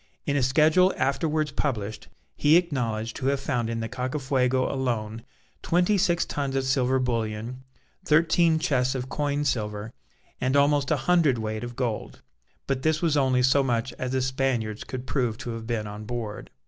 In a schedule afterwards published, he acknowledged to have found in the Cacafuego alone twenty six tons of silver bullion, thirteen chests of coined silver, and almost a hundredweight of gold. But this was only so much as the Spaniards could prove to have been on board.